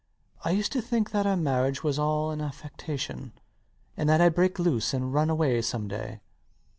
I used to think that our marriage was all an affectation, and that I'd break loose and run away some day.